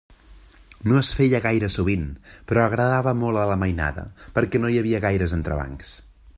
No es feia gaire sovint, però agradava molt a la mainada, perquè no hi havia gaires entrebancs.